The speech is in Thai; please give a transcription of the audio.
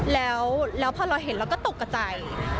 แล้วพอเราเห็นเราก็ตกกระใจ